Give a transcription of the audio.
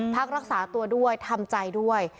พักรักษาตัวด้วยทำใจด้วย